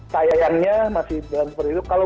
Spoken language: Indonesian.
tayangnya masih berat